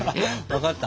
分かった？